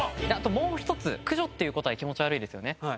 もう１つ「駆除」っていう答え気持ち悪いですよね。